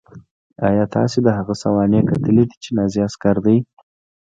ایا تاسې د هغه سوانح کتلې دي چې نازي عسکر دی